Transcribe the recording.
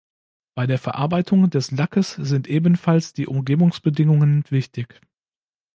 Bei der Verarbeitung des Lackes sind ebenfalls die Umgebungsbedingungen wichtig.